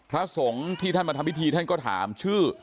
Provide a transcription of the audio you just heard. พระสงฆ์ที่ท่านมาทำพิธีท่านก็ถามชื่อ